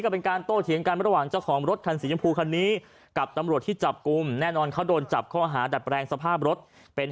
บอกว่าไม่ได้ผมให้ไปรถผม